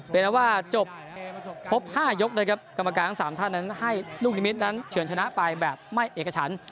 เป็นว่าจบครบ๕ยกนะครับกรรมการทั้ง๓ท่านนั้นให้ลูกนิมิตรนั้นเฉินชนะไปแบบไม่เอกฉัน